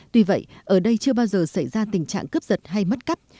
tuy vậy ở đây chưa bao giờ xảy ra tình trạng cướp giật hay mất cắp